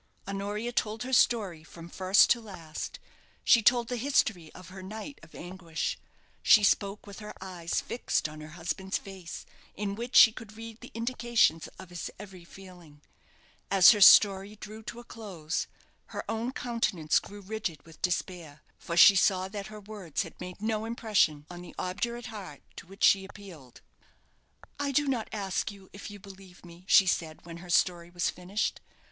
Honoria told her story from first to last; she told the history of her night of anguish. She spoke with her eyes fixed on her husband's face, in which she could read the indications of his every feeling. As her story drew to a close, her own countenance grew rigid with despair, for she saw that her words had made no impression on the obdurate heart to which she appealed. "I do not ask you if you believe me," she said, when her story was finished.